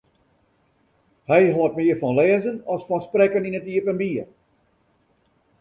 Hy hâldt mear fan lêzen as fan sprekken yn it iepenbier.